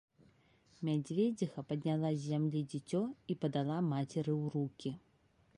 Мядзведзіха падняла з зямлі дзіцё і падала мацеры ў рукі.